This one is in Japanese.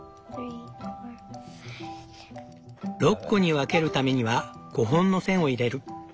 ６個に分けるためには５本の線を入れる！